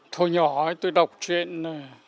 thôi nhỏ tôi đọc chuyện